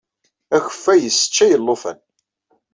Akeffay yesseččay alufan.